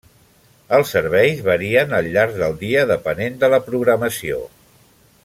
Els serveis varien al llarg del dia depenent de la programació.